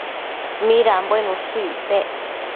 midanbuen ushë icpec?